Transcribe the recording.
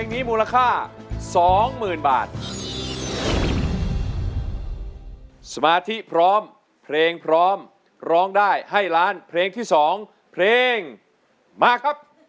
ดูหลอกแต่เต็มใจให้หลอก